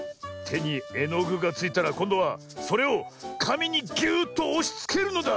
てにえのぐがついたらこんどはそれをかみにぎゅっとおしつけるのだ。